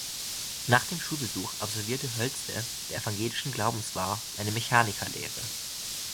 Nach dem Schulbesuch absolvierte Hölzle, der evangelischen Glaubens war, eine Mechanikerlehre.